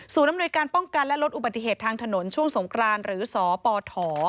อำนวยการป้องกันและลดอุบัติเหตุทางถนนช่วงสงครานหรือสปฐ